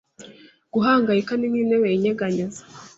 Guhangayika ni nk'intebe yinyeganyeza;